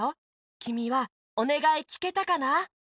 きみはおねがいきけたかな？